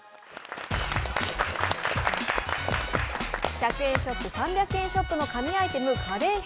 １００円ショップ、３００円ショップの神アイテム、家電編。